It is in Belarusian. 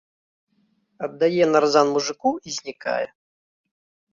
Аддае нарзан мужыку і знікае.